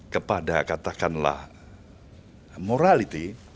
kepada katakanlah morality